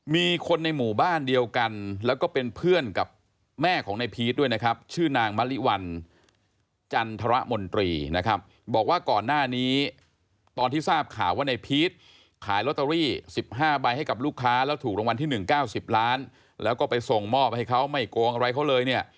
มีคนในหมู่บ้านเดียวกันแล้วก็เป็นเพื่อนกับแม่ของในพีชด้วยนะครับชื่อนางมะลิวันจันทรมนตรีนะครับบอกว่าก่อนหน้านี้ตอนที่ทราบข่าวว่าในพีชขายลอตเตอรี่๑๕ใบให้กับลูกค้าแล้วถูกรางวัลที่๑๙๐ล้านแล้วก็ไปส่งมอบให้เขาไม่โกงอะไรเขาเลยเนี่ย